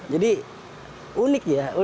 jadi unik ya